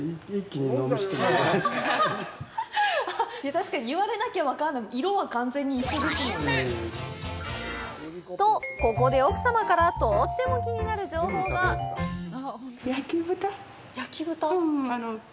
確かに言われなきゃ分からないとここで奥さまからとっても気になる情報が焼き豚？